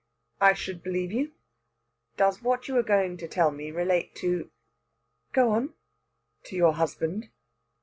"I shall believe you. Does what you were going to tell me relate to " "Go on." "To your husband?"